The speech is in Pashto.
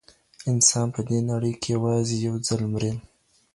انسان په دې نړۍ کي یوازې یو ځل مري.